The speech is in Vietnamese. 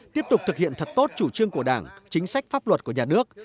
tiếp tục thực hiện thật tốt chủ trương của đảng chính sách pháp luật của nhà nước